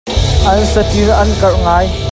An saṭil an karh ngai.